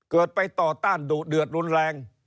เกิดไปต่อต้านดุเดือดรุนแรง